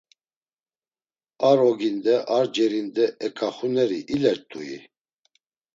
Ar oginde ar cerinde eǩaxuneri ilert̆ui?